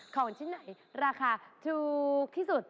ของชิ้นไหนราคาถูกที่สุด